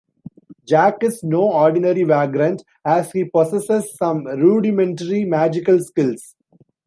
Jack is no ordinary vagrant, as he possesses some rudimentary magical skills.